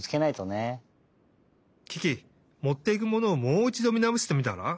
キキもっていくものをもういちどみなおしてみたら？